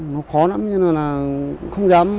nó khó lắm nhưng mà không dám